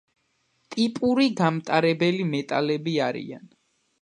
ტიპური გამტარები მეტალები არიან.